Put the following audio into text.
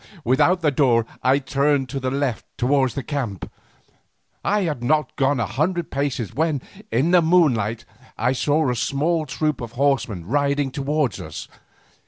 Without the door I turned to the left towards the camp. I had not gone a hundred paces when, in the moonlight, I saw a small troop of horsemen riding towards us.